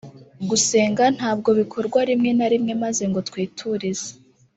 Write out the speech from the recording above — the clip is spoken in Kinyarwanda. Gusenga ntabwo bikorwa rimwe na rimwe maze ngo twiturize